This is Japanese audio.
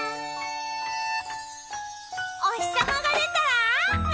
「おひさまがでたらわーい！